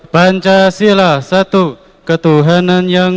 pancasila satu ketuhanan yang